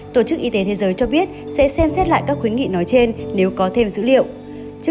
tổ chức y tế thế giới cho biết sẽ xem xét lại các khuyến nghị nói trên nếu có thêm dữ liệu